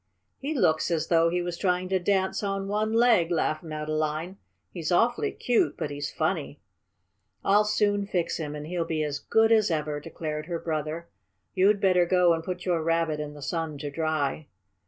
"He looks as though he was trying to dance on one leg!" laughed Madeline. "He's awfully cute, but he's funny!" "I'll soon fix him, and he'll be as good as ever," declared her brother. "You'd better go and put your Rabbit in the sun to dry."